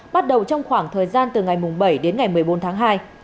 bắt đầu trong khoảng thời gian từ ngày bảy đến ngày một mươi bốn tháng hai